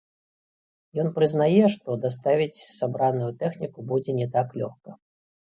Ён прызнае, што даставіць сабраную тэхніку будзе не так лёгка.